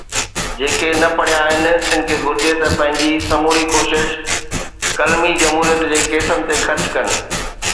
جيڪي نه پڙهيا آهن، تن کي گهرجي ته پنهنجي سموري ڪوشش قلمي جمهوريت جي ڪيسن تي خرچ ڪن.